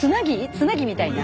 つなぎみたいな？